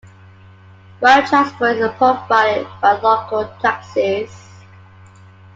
Ground transport is provided by local taxis.